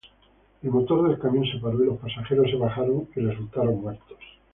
El motor del camión se paró y los pasajeros se bajaron y resultaron muertos.